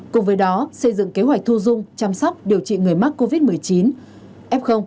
cùng với đó xây dựng kế hoạch thu dung chăm sóc điều trị người mắc covid một mươi chín f